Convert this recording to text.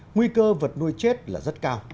nguy cơ vật nuôi chết là rất cao